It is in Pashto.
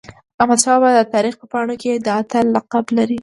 احمدشاه بابا د تاریخ په پاڼو کي د اتل لقب لري.